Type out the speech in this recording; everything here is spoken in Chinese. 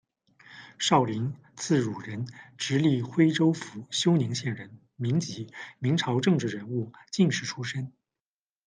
邵龄，字汝仁，直隶徽州府休宁县人，民籍，明朝政治人物、进士出身。